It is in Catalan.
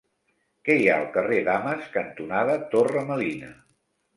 Què hi ha al carrer Dames cantonada Torre Melina?